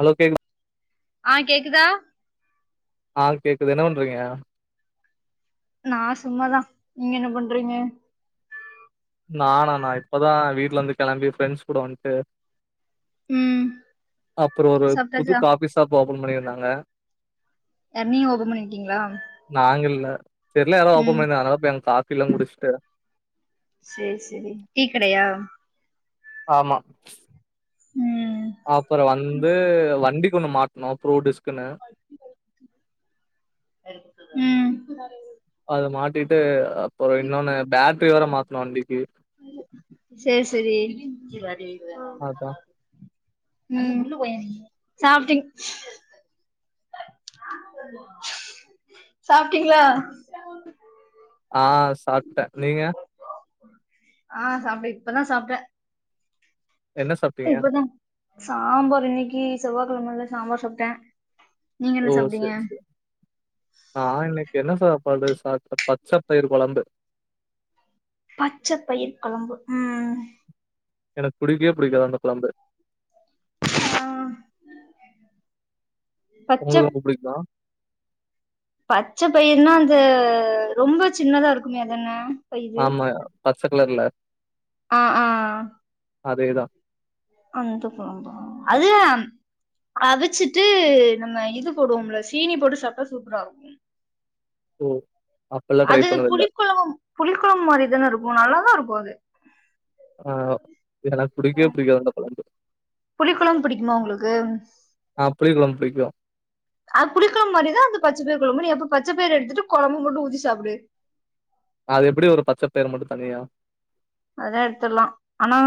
Allow கேக் க்குதா அ கேக்குது என்ன பண்றீங்க நா சும்மாதா நீங்க என்ன பண்றீங்க நானா நா இப்பதா வீட்லருந்து கெளம்பி ஃப்ரெண்ட்ஸ் கூட வந்ட்டு ம் அப்றோ ஒரு புது சாப்ட்டாச்சா காஃபி ஷாப் ஓபன் பண்ணியிருந்தாங்க யார் நீங்க ஓபன் பண்ணிருக்கீங்ளா தெரில யாரோ ஓபன் பண்ணிருதாங்க அதா அங்க போய் காஃபில்லா குடிச்சுட்டு சேர் சேரி டீ கடையா ஆமா ம் அ அப்றோ வந்து வண்டிக்கொன்னு மாட்ணோ ப்ரூ டிஸ்க்குன்னு ம் அது மாட்டிட்டு அப்றோ இன்னொன்னு பேட்ரி வேற மாத்தணு வண்டிக்கு சேர் சேரி அதா ம் சாப்ட்டிங் சாப்ட்டீங்ளா அ சாப்ட்டே நீங்க அ சாப்ட்டே இப்பதா சாப்ட்டே என்ன சாப்டீங்க இப்பதா சாம்பார் இன்னிக்கு செவ்வா கெழமல சாம்பார் சாப்ட்டே நீங்க என்ன ஓ சாப்ட்டீங்க சேர் சேரி நா இன்னிக்கு என்ன சா சாப்பாடு சாப்டே பச்ச பயிர் கொழம்பு பச்ச பயிர் கொழம்பு ம் எனக்கு புடிக்கவே புடிக்காது அந்த கொழம்பு அ உங்ளுக்கு ரொம்ப புடிக்குமா பச்ச பயிர்னா அந்த ரொம்ப சின்னதா இருக்குமே அதான ஆமா பச்ச கலர்ல அ அ அதே தா அந்த கொழம்பு அது தா அவிச்சிட்டு நம்ம இது போடுவோம்ல சீனி போட்டு சாப்ட்டா சூப்பரா இருக்கு ஓ! அப்பல்லாம் ட்ரை அது பண்ணதில்ல. புளி கொழம்பு புளி கொழம்பு மாரிதான இருக்கு நல்லா ருக்கு அது அ எனக்கு புடிக்கவே புடிக்காது அந்த கொழம்பு புளி கொழம்பு புடிக்குமா உங்ளுக்கு யோ அது புளி கொழம்பு மாரியே தா அந்த பச்ச பயிர் கொழம்பு நீ அந்த பச்ச பயிர எடுத்துட்டு கொழம்பு மட்டு ஊத்தி சாப்டு அது எப்டி வரு பச்ச பயிரு மட்டு தனியா அதெல்லா எடுத்துட்லா ஆனா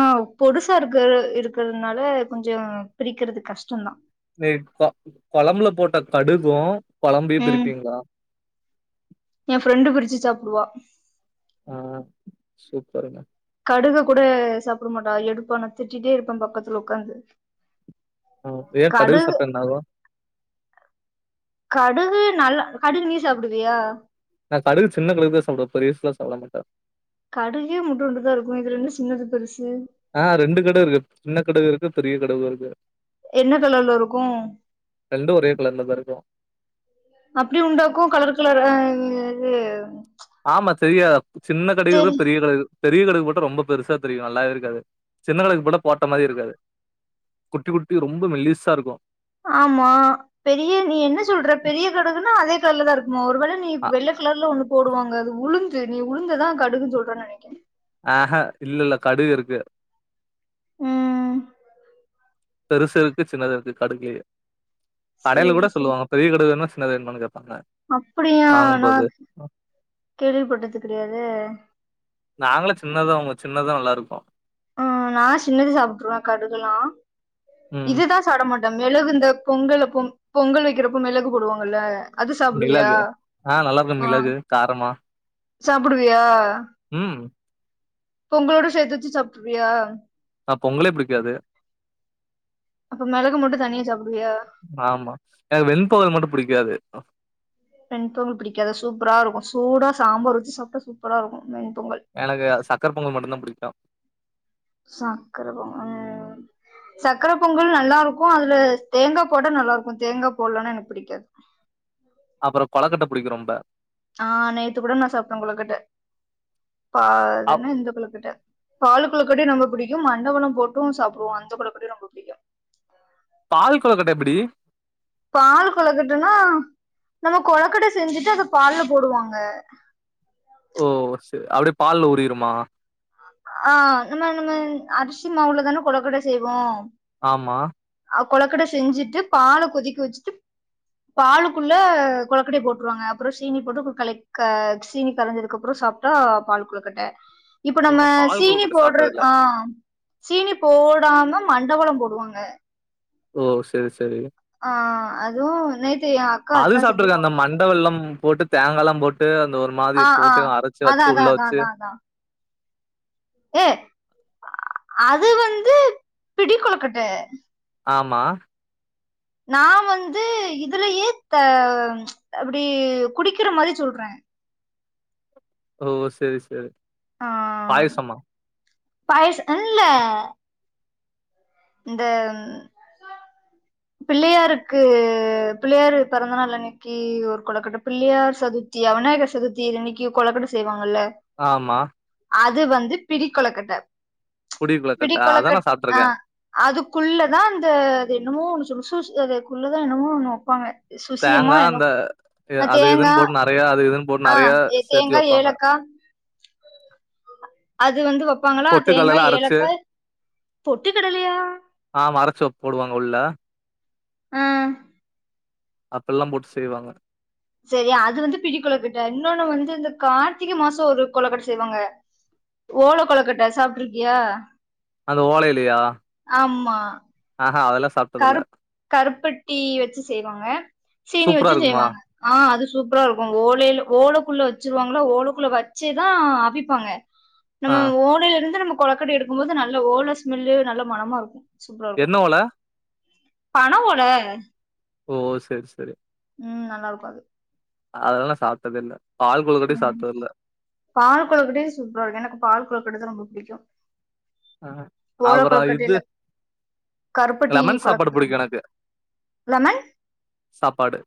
பொடுசா இருக்க இருக்கிறதுனால கொஞ்சோ பிரிக்கிறது கஷ்டந்தா [unintelligible] கொழம்புல போட்ட கடுகு ம் எ ஃப்ரெண்டு பிரிச்சு சாப்டுவா ஆ சூப்பருங்க கடுக கூட சாப்பிட மாட்டா எடுப்பா நா திட்டிட்டே இருப்பே பக்கத்துல உக்காந்து ஒ ஏ கடுகு சாப்டா என்ன ஆகு கடுகு நல் கடுகு நீ சாப்ப்டுவியா நா கடுகு சின்ன கடுகுதா சாப்டுவே பெரிஸ்லா சாப்பிட மாட்டே கடுகே இம்மூட்டுண்டுதா இருக்கு இதுல என்ன சின்னது பெருசு ஆ ரெண்டு கடுகு இருக்கு சின்ன கடகு இருக்கு பெரிய கடுகு இருக்கு என்ன கலர்ல இருக்கு ஒரே கலர்ல தான் இருக்கும். அப்டி உண்டாக்கு கலர் கலர் ஆ இ இது ஆமா தெரியா சின்ன கடுகு தெரி இருக்கு பெரிய கடுகு இரு பெரிய கடுகு போட்டா ரொம்ப பெருசா தெரியு நல்லாவே இருக்காது சின்ன கடுகு போட்டா போட்ட மாரியே இருக்காது குட்டி குட்டி ரொம்ப மெலீஸா இருக்கு ஆமா பெரிய நீ என்ன சொல்ற பெரிய கடுகுன்னா அதே கலர்ல தா இருக்குமா ஒரு வேள நீ வெள்ள கலர்ல ஒன்னு போடுவாங்க அது உளுந்து நீ உளுந்ததா கடுகு சொல்ற நெனைக்கிறே ஆஹா இல்ல இல்ல கடுகு இருக்கு ம் பெருசு இருக்கு சின்னது இருக்கு கடுகுலேயே கடையில கூட சொல்லுவாங்க பெரிய கடுகு வேணுமா சின்னது வேனுமானு கேப் அப்டியா நா கேள்விப்பட்டது கெடையாதே நாங்களு சின்னதா வாங்வோ சின்னதா நல்லா இருக்கு ஆ நா சின்னது சாப்ட்டுருவே கடுகுலா ம் இதுதா சாப்பிட மாட் இந்த மெளகு இந்த பொங்கல பொங் பொங்கல் வைக்கிறப்போ மெளகு போடுவாங்கல்ல அது சாப்டுவியா மிளகு ஆ நல்லா இருக்கு மிளகு காரமா சாப்புடுவியா ம் பொங்களோட சேத்து வச்சு சாப்ட்ருவியா அ பொங்கலே புடிக்காது அப்ப மிளகு மட்டு தனியா சாப்டுவியா ஆமா எ வெண்பொங்கல் மட்டு புடிக்காது அ பெண்பொங்கல் பிடிக்காதா சூப்பரா இருக்கு சூடா சாம்பார் வச்சு சாப்ட்டா சூப்பரா இருக்கு பொங்கல் எனக்கு சக்கர பொங்கல் மட்டுதா புடிக்கு சக்கர பொங்கலு சக்கர பொங்கல் நல்லா இருக்கு அதுல தேங்கா போட்ட நல்லா இருக்கு தேங்கா போட்லன்னா எனக்கு புடிக்காது அப்புற கொலக்கட்ட புடிக்கு ரொம்ப ஆ நேத்து கூட நா சாப்ட்டே கொளக்கட்ட பா அது அப் என்ன இந்த கொளக்கட்ட பாலு கொளக்கட்டயு ரொம்ப புடிக்கு மண்ட வெள்ள போட்டு சாப்புடுவோ அந்த கொளக்கட்டையு ரொம்ப புடிக்கு பால் கொளக்கட்ட எப்டி பால் கொளக்கட்டனா நம்ம கொளக்கட்ட செஞ்சுட்டு அத பால்ல போடுவாங்க ஓ சே அப்டியே பால்ல ஊறிருமா ஆ நம்ம நம்ம அரிசி மாவுல தானே கொளக்கட்ட செய்வோ ஆமா அ கொளக்கட்ட செஞ்சுட்டு பால கொதிக்க வெச்சுட்டு பாலுக்குள்ள கொளக்கட்டய போட்ருவாங்க அப்புற ஷீனி போட்டு களக்கு சீனி கரஞ்சதுக்கப்புறோ சாப்ட்டா பால் கொளுக்கட்ட இப்ப ஓ நம்ம நா பால் சீனி கொழுக்கட்ட போடுற சாப்ட்டது இல்ல ஆ சீனி போடாம மண்டவெள்ளோ போடுவாங்க ஓ செரி செரி ஆ அதுவு நேத்து எ அக்கா அது அதுதா செஞ்சு சாப்ட்ருக்கே அந்த கொண்டு வந்தா மண்ட வெல்லம் போட்டு தேங்கா எல்லா போட்டு அந்த ஒரு மாதிரி ஆ ஆ போட்டு அரச்சு அதா வெச்சு அதா உள்ள அதா வெச்சு அதா அதா ஏ அது வந்து பிடி கொலுக்கட்ட ஆமா நா வந்து இதுலயே த அப்டி குடிக்கிற மாரி சொல்றே ஓ செரி சேரு ஆ பாயசமா பாயச இல்ல இந்த பிள்ளையாருக்கு பிள்ளயாரு பெறந்த நாள் அன்னக்கி ஒரு கொலக்கட்ட பிள்ளியார் சதுர்த்தி அவ விநாயக சதுர்த்தி அன்னிக்கி கொலக்கட்ட செய்வாங் அல்ல ஆமா அது வந்து பிடிக்கொலக்கட்ட பிடி புடிக்குள்ளக்கட்ட அதா நா கொலக்கட் அ சாப்ட்ருக்கே அதுக்குள்ளதா அந்த அது என்னமோ ஒன்னு சொல்லு ஷுஷ் எதே குள்ளதா என்னமோ ஒன்னு வப்பாங்க சுசியமா தேங்கா என்னோ அந்த அது இதுன் தேங்கா போட் நறையா அது இதுன் போட் ஆ நறைய சேத்தி தேங்கா வப்பாங்க ஏலக்கா அது வந்து வப்பாங்களா தேங்கா பொட்டுக்கல்லலா அரச்சு ஏலக்க பொட்டு கடலயா ஆம அறச்சுவப் போடுவாங் உள்ள அ அப்பெல்ல போட்டு செய்வாங்க செரி அது வந்து பிடி கொலுக்குட்ட இன்னோனு வந்து இந்த கார்த்திக மசொ ஒரு கொலக்கட்ட செய்வாங்க ஓல கொலக்கட்ட சாப்ட்ருக்கியா அந்த ஓலையிலயா அம்மா சாப்ட்டதில்ல கருப் கருப்பட்டி வச்சு செய்வாங்க சீனி சூப்பரா வச்சுஞ் இருக்குமா செய்வாங்க ஆ அது சூப்ரா இருக்கு ஓலைல ஓலக்குள்ள வச்சிர்வாங்களா ஓலக்குள்ள வச்சிதா அவிப்பாங்க நம்ம ஆ ஓலைலருந்து நம்ம கொலக்கட்ட எடுக்கு போது நல்ல ஓல ஸ்மெல்லு நல்ல மனமாருக்கு சூப்ரா இருக்கு என்ன ஓல பன ஓல ஒ ஒ சேர் செரி ம் நல்லாருக்கு அது அதல்லா சாப்ட்டதேல்ல ம் பால் கொலுக்குட்யு சூப்ரா இருக்கு எனக்கு பால் கொலு பிடது ரொம்ப புடிக்கு ஆ ஓல அப்பறோ இது கொலுக்கட்டைல கருப்பட்டி லெமன் சாப்பாடு கொலக்கட்ட ரொம்ப எனக்கு புடிக்கு லமன் சாப்பாடு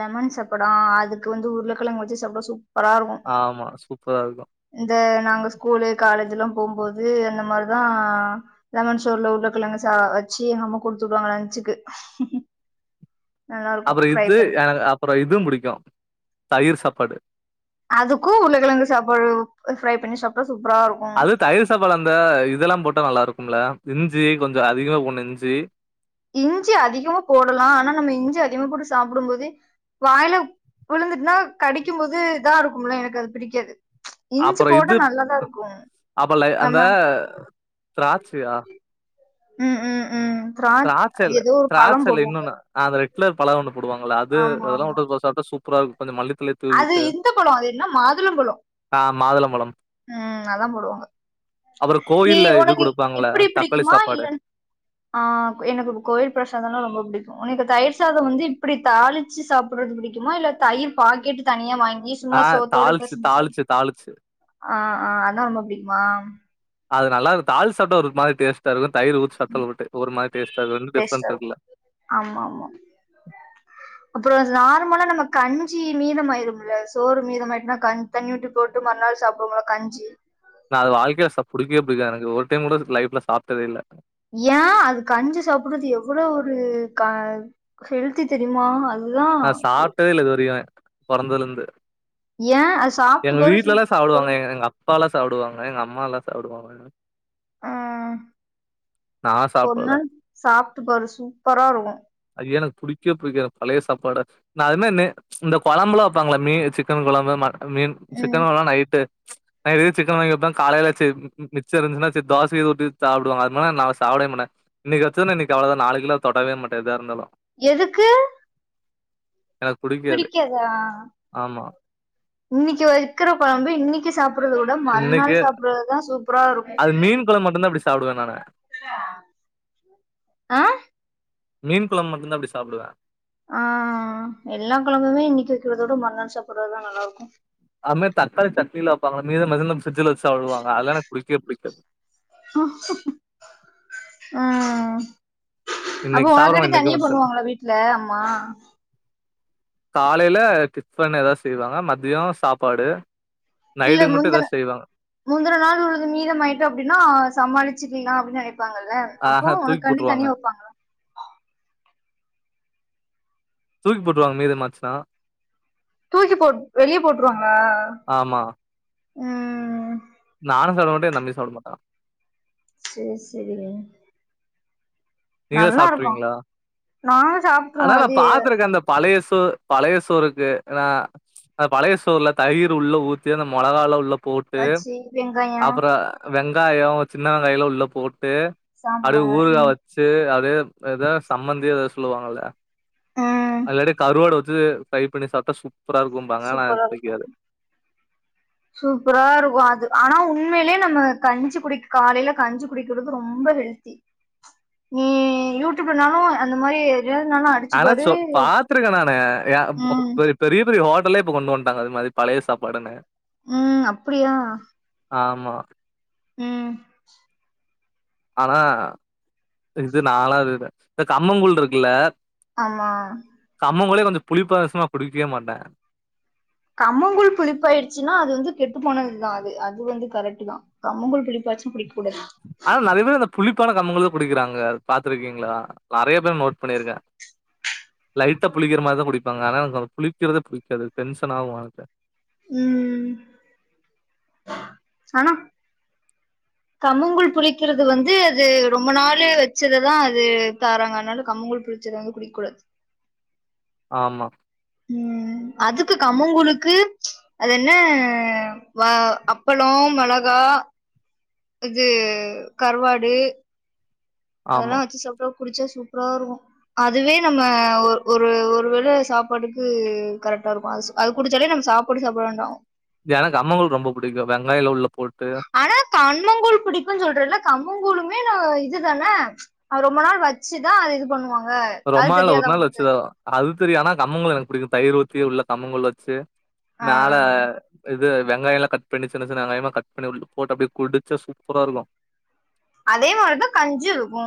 லெமன் சப்படு ஆ அதுக்கு வந்து உருளக் குலங்கு வச்சு சாப்புட்டா சூப்பரா இருக்கு ஆமா சூப்பரா இருக்கு இந்த நாங்க ஸ்கூலு காலேஜில்லா போம்போது அந்த மாரு தா லெமன் சோறுல உருள கிழங்க சா வச்சு எங்க அம்மா குடுத்துஉடுவாங்க லன்ச்சுக்கு நல்லா இருக்கு அப்பற ஃப்ரை இத்து பண்ணி எனகு அப்பறோ இதும் புடிக்கு தயிர் சாப்பாடு அதுக்கு உருள கெலங்கு சாப்பாடு ஃப்ரை பண்ணி சாப்ட்டா அது தயிர் சாப்பாடு அந்த இதல்லா போட்டா நல்லாருக்கும்ல இஞ்சி கொஞ்ச அதிகமா போட்னு இஞ்சி இஞ்சி அதிகமா போடலா ஆனா நம்ம இஞ்சி அதிகமா போட்டு சாப்புடு போது வாயில உலுந்துட்னா கடிக்கு போது இதா இருக்கும்ல எனக்கு அது பிடிக்காது இஞ்சி அப்புற இது போட்டா நல்லாதா இருக்கு அப்பலை அந்த நம்ம த்ராச்சியா ம் ம் ம் திரா அது த்ராச்சல்ல ஏதோ ஒரு பழம் திராச்சல்ல போடுவாங்க இன்னொன்ன ஆதரெ ட்லர் பல ஒன்னு போடுவாங்கள்ள அது ஆமா அதல்லா ஆமா உட்டுத்ப சாப்ட்டா சூப்பரார்க்கு கொஞ்ச மல்லித்தலய தூவி அது உட்டு இந்த பழோ அது என்ன மாதுளம்பழோ ஆ மாதுளம் ம் அத்ல்லா போடுவாங்க அப்புறம் நீ கோயில்ல இது ஒனக்கு குடுப்பாங்கல்ல இப்டி தக்காளி பிடிக்குமா சாப்பாடு இல்லன்னு ஆ எனக்கு கோவில் பிரசாதம்ன்னா ரொம்ப பிடிக்கு உக்கு தயிர் சாத வந்து இப்படி தாளிச்சு சாப்பிறது பிடிக்குமா இல்ல தயிர் பாக்கெட்டு தனியா வாங்கி சும்மா ஆ சோத்தோட தாளிச்சு பெசஞ்சு சா தாளிச்சு தாளிச்சு ஆ ஆ அதா ரொம்ப பிடிக்குமா அது நல்லாக்கு தாலிச் சாப்டா ஒரு மாதிரி டேஸ்ட்டா இருக்கு தயிர் ஊச்சி சத்தல் விட்டு ஒரு மாரி டேஸ்ட்டாகது ரரெண்டு டேஸ்டா டிஃப்ரெண்ட் இருக்கு தெரில அப்புறோ சா [unintelligible] நம்ம கஞ்சி மீதமாயிரும்ல சோறு மீதமாய்ட்ன்னா க தண்ணி ஊத்தி போட்டு மறுநாள் சாப்டுவோம்ல கஞ்சி ஆஞ்சு நா அது வாழ்க்கைய ச புடிக்கேவே புடிக்காது எனக்கு ஒரு டைம் கூடசாப்ட்டதே இல்ல ஏ அதுக்கஞ்சு சாப்பறது எவ்வளவு ஒரு க ஹெல்தி தெரியுமா அது நா சாப்ட்டதே இல்ல இதுவரையு பொறந்ததுலருந்து ஏன் அது சாப்பிட்டு எங்க பாரு வீட்டுலல்லா சூப்பரா சாப்டுவாங்க எங்க அப்பால்லா சாப்டுவாங்க எங்கம்மா எல்லா சாப்டுவாங்க ஆஹ் நா ஒரு சாப்பல நாள் சாப்பிட்டு பாரு சூப்பரா இருக்கும் அது எனக்கு புடிக்க புடிக்காது பழய சாப்பாடு அதுன என்ன இந்த கொழம்புலா வைப்பாங்கலா மீ சிக்கன் கொழம்பு ம மீன் ம் சிக்கன் வேண்னா நைட்டு நா இதே சிக்கன் வாங்கிப்ப காலையில ம மிச்ச இருந்துச்சுனா தோச உத்தி சாப்படுவாங்க அதே மாதி நா சாப்டே தின்னமாட்ட இன்னைக்கு வச்சுன்ன அவ்வளவுதா நாளைக்கு தொடவே மாட்டே எதா இருந்தாலு எதுக்கு எனக்கு புடிக்காது பிடிக்காதா ஆமா இன்னைக்கு வைக்கிற கொழம்பு இன்னைக்கு சாப் சாப்புறத விட இன்னைக்கு மறுநாள் சாப்படுறதுதா சூப்பரா இருக்கு அது மீன் கொழம்பு மட்டும்தான் அப்டி சாப்டுவேன் நானு. ஆ மீன் கொழம்பு மட்டுந்தா அப்டி சாப்டுவே ஆ எல்லா கொழம்புமே இன்னைக்கு வைக்கிறதோட மருநாள் சாப்பறதுதா நல்லாருக்கு அதுமே தக்காளி சட்லிலா வைப்பாங்கல்ல மீத மிஞ்சினா பிரிட்ஜல வச்சு சாப்டுவாங்க அதல்லா எனக்கு புடிக்கவே புடிக்காது ஆ அப்போ இன்னைக்கு சாப்டாம உனக்கட்டி இன்னைக்கே தனியே முடிச்சிடணும். பண்ணுவாங்களா வீட்ல அம்மா காலயில டிஃபன் ஏதாவ செய்வாங்க மதிய சாப்பாடு இல்ல நைட்டுக்கு மட்டும் முந்தின ஏதாவது செய்வாங்க. முந்தின நாள் உள்ள மீதமாயிட்டு அப்டின்னா சமாளிச்சுக்களா அப் நினைப்பாங்கல்ல அப்போ ஆஹ தூக்கி உனக்கு காண்டி போட்ருவாங்க. தனியா வைப்பாங்களா தூக்கி போட்ருவாங்க மீத மாச்சனா தூக்கி போட் வெளியே போட்டுருவாங்களா ம் நானு சொல்ல மாட்டே ஏ தம்பியு சொல்ல மாட்டா சேரி சரி நீங்களா சாப்ட்ருவீங்களா நாங்க சாப்ட்ருவோ ஆனா நா அது பாத்துருக்கே அந்த பழய்ஸ் பு பழய சோருக்கு நா பழய சோர்ல தயிர் உள்ள ஊத்தி அந்த மொளகால உள்ள போட்டு வச்சு வெங்காயோ அப்புற வெங் காய சின்ன வெங்காய எல்லா உள்ள போட்டு அது சாப்டுவாங்க ஊருகா வச்சு அது எதோ சம்மந்தியோ ஏதாவது சொல்லுவாங்கல்ல ம் அல்லாடி கருவாடு அது ப்ரைய் பண்ணி சாப்டா சுப் சூப்பரா இருக்கு சூப்பரா இருக்கு அது ஆனா உன் உண்மையிலயே நம்ம கஞ்சு குடி காலையில கஞ்சி குடிக்கறது ரொம்ப ஹெல்தி நீ யூடியூப்லனாலு அந்த மாரி எதுலனாலு அடிச்சு ஆனா பாரு சொப் பாத்திருக்கே நானு யா ம் பெ பெரிய பெரிய ஹோ ட்டலே இப்ப கொண்டு வண்டாங்க அது மாரி பழய சாப்பாடுன்னு ம் அப்படியா ஆமா ம் ஆனா இது நாலாது இத இது கம்மங்கூழ்ருக்குல ஆமா கம்மங்கூழே கொஞ்ச புளிப்பாய்சுனா குடிக்யே மாட்டே கம்மங்கூழ் புளிப்பாய்ர்ச்சினா அது வந்து கெட்டு போனதுதா அது அது வந்து கரெக்ட்டு தா கம்மங்கூழ் புளிப்பாச்சுனா புளிக் ஆனா நறைய பேர் அத புளிப்பான கம்மங்கூழே குடிக்கிறாங்க பாத்ருக்கீங்களா நெறய பேர நோட் பண்ணிர்க்கே லைட்டா புளிக்குற மார்தா குடிப்பாங்க ஆனா எனக் புளிக்கிறதே புடிக்காது டென்ஷன் ஆவூ எனக்கு ம் ஆனா கம்மங்கூழ் புளிக்கிறது வந்து அது ரொம்ப நாளு வச்சதுதா அது தாராங்க அனால கம்மங்கூழ் புள் ளிச்சது வந்து குடிக்கூடாது ஆமா ம் அதுக்கு கம்மங்கூழுக்கு அது என்ன வ அப்பளோ மொளகா அ இது கருவாடு ஆமா அதுலா வச்சி சாப்டா குடிச்சா சூப்ராருக்கூ அதுவே நம்ம ஒ ஒரு ஒருவேள சாப்பாடுக்கு கரட் லாருக்கூ அது குடிச்சாலே நம்ம சாப்புடு சாப்ட வேண்டா எனக் கம்மங்கூழ் ரொம்ப புடிக்கூ வெங்காய்லா உள்ளப் ஆனா கன்னங்கூழ் புடிக்கூன் சொல்றேலக் கம்மங்கூழுமே நா இது தான ரொம்ப நாள் வச்சுதா அது இது பண்ணுவாங் ரொம்நாள்ல ஒரு நாள் வச்சுதா அது திரியு ஆனா கம்மங்கூழ் எனக் புடிக்கூ தயிர் ஊத்தி உள்ள கம்மங்கூழ் வச்சு மேல ஆ வெ வெங்காயல்லா கட் பண்ணி சின்ன சின்ன வெங்காயமா கட் பண்ணி உள் போட்டு அப்டி குடிச்சா சூப்பராருக்கூ அதே மாரிதா கஞ்சிருக்கூ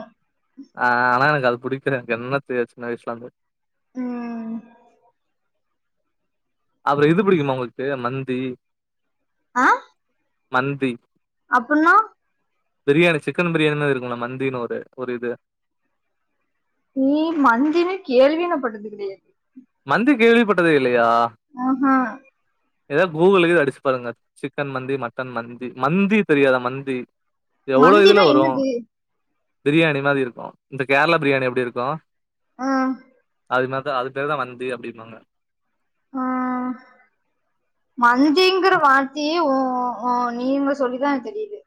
ஆ ஆனா எனக்கு அது புடிக்ற என்ன தெர்யாது சின்ன வயசுலந்து ம் அப்றோ இது புடிக்குமா உங்ளுக்கு மந்தி ஆ மந்தி அப்புன்னா பிரியாணி சிக்கன் பிரியாணி மாரிருக்கூல மந்தினு ஒரு ஒரு இது ம் மந்தினு கேள்வியே நா பட்டது கெடையாது மந்தி கேள்விப்பட்டதே இல்லயா ஆஹா ஏதாவ்து கூகுள்லேயே அடிச்சு பாருங்க சிக்கன் மந்தி மட்டன் மந்தி மந்தி தெரியாதா மந்தி எவ்ளோ இதுல மந்தினா வரூ என்னது பிரியாணி மாரி இருக்கூ இந்த கேர்ளா பிரியாணி எப்டிருக்கூ ஆ அது மாரிதா அது பேர்தா மந்தி அப்டிம்பாங்க மந்திங்குற வார்த்தயே ஒ ஒ ஓ நீங்க சொல்லிதா எனக் தெரிது